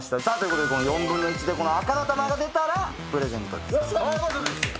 さあということで１／４でこの赤の玉が出たらプレゼントです。